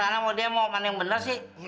mana mau demo mana yang benar sih